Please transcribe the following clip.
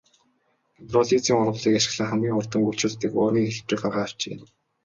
Гидролизын урвалыг ашиглан хамгийн хурдан үйлчилдэг уургийн хэлбэрийг гарган авчээ.